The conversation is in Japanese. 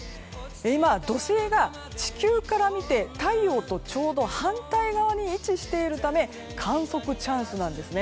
今、土星が地球から見て太陽とちょうど反対側に位置しているため観測チャンスなんです。